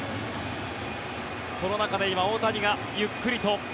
その中で今、大谷がゆっくりと。